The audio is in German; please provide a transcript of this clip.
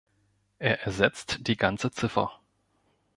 Er ersetzt die ganze Ziffer.